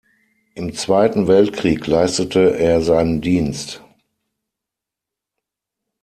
Im Zweiten Weltkrieg leistete er seinen Dienst.